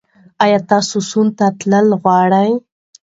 ایا تاسو سونا ته تلل غواړئ؟